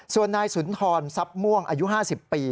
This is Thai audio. ส่วนนายสุนทรทรัพย์ม่วงอายุ๕๐ปี